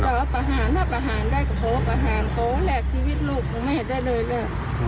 จะเอาประหารถ้าประหารได้ก็โภคประหารโภคแหลกชีวิตลูกของแม่ได้เลยแหละ